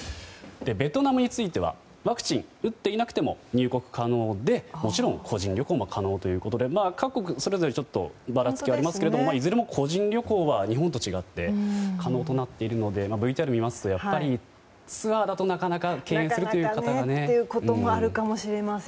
ベトナムについてはワクチン打っていなくても入国可能で、もちろん個人旅行も可能ということで各国、それぞれちょっとばらつきはありますがいずれも個人旅行は日本と違って可能となっているのでＶＴＲを見ますとやっぱり、ツアーだとなかなか敬遠するという方がね。